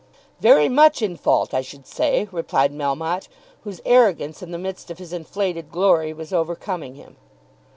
"Very much in fault, I should say," replied Melmotte, whose arrogance in the midst of his inflated glory was overcoming him.